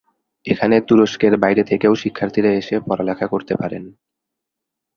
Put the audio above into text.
এখানে তুরস্কের বাইরে থেকেও শিক্ষার্থীরা এসে পড়ালেখা করতে পারেন।